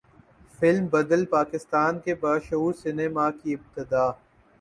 film بدل پاکستان کے باشعور سینما کی ابتدا